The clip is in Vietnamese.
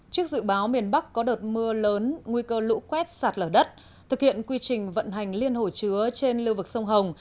trước dự báo miền bắc có đợt mưa lớn nguy cơ lũ quét sạt lở đất thực hiện quy trình vận hành liên hồ chứa trên lưu vực sông hồng